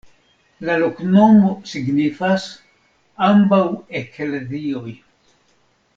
La loknomo signifas: ambaŭ eklezioj.